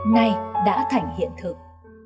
nay đã thành hiện thực